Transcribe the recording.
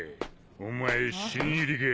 お前新入りか？